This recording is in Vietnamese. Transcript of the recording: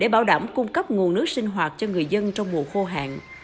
để bảo đảm cung cấp nguồn nước sinh hoạt cho người dân trong mùa khô hạn